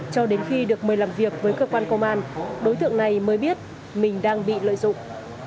cho đến khi được mời làm việc với cơ quan công an đối tượng này mới biết mình đang bị lợi dụng